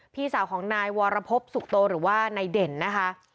พี่สาวของนายวรพบสุขโตหรือว่านายเด่นนะคะ